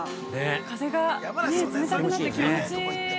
風が冷たくなって気持ちいい◆